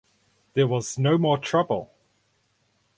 There was no more trouble.